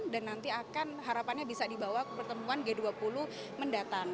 dan nanti akan harapannya bisa dibawa ke pertemuan g dua puluh mendatang